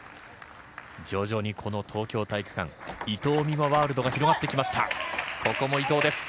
徐々にこの東京体育館伊藤美誠ワールドが広がってきました。